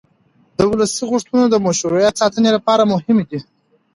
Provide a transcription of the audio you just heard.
د ولس غوښتنې د مشروعیت د ساتنې لپاره مهمې دي